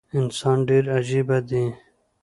انسان ډیر عجیبه دي